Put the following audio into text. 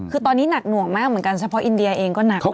คือตอนนี้หนักหน่วงมากเหมือนกันเฉพาะอินเดียเองก็หนักมาก